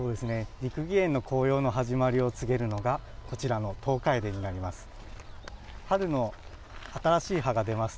六義園の紅葉の始まりを告げるのがこちらのトウカエデになります。